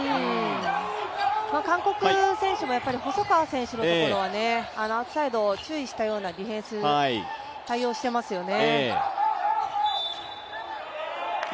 韓国選手も細川選手のところはアウトサイド注意したようなディフェンス対応してますよね。